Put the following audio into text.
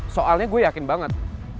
soalnya gue yakin banget